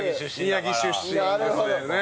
宮城出身ですよね。